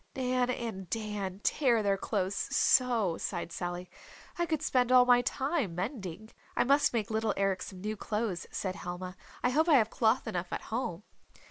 "Nan and Dan tear their clothes so," sighed Sally, "I could spend all my time mending." "I must make little Eric some new clothes," said Helma. "I hope I have cloth enough at home."